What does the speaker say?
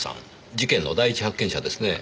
事件の第一発見者ですねぇ。